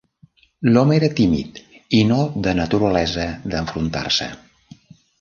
L'home era tímid i no de naturalesa d'enfrontar-se.